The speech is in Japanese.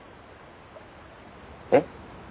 えっ？